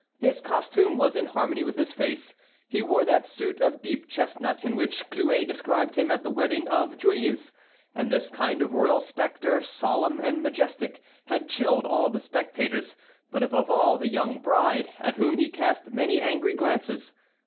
His costume was in harmony with his face; he wore that suit of deep chestnut, in which Clouet described him at the wedding of Joyeuse; and this kind of royal specter, solemn and majestic, had chilled all the spectators, but above all the young bride, at whom he cast many angry glances.